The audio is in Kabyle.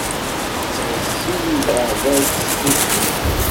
Tettɣezzil leɛbad s tsusmi.